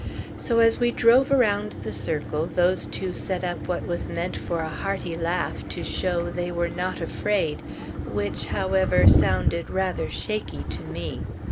So as we drove around the circle, those two set up what was meant for a hearty laugh to show "they were not afraid," which, however, sounded rather shaky to me.